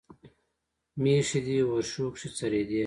مېښې دې ورشو کښې څرېدې